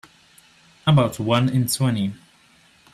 About one in twenty.